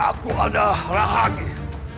aku adalah alot